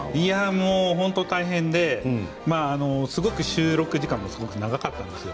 本当に大変ですごく収録時間が長かったんですよ。